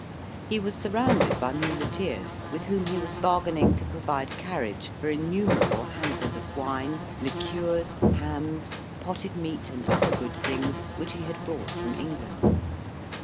He was surrounded by muleteers, with whom he was bargaining to provide carriage for innumerable hampers of wine, liqueurs, hams, potted meat, and other good things, which he had brought from England.